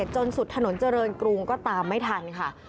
จนสุดถนนเจริญกรุงก็ตามไม่ทันค่ะ